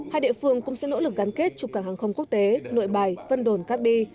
hai địa phương cũng sẽ nỗ lực gắn kết trục cảng hàng không quốc tế nội bài vân đồn cát bi